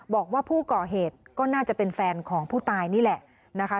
บอกว่าผู้ก่อเหตุก็น่าจะเป็นแฟนของผู้ตายนี่แหละนะคะ